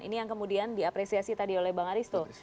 ini yang kemudian diapresiasi tadi oleh bang aristo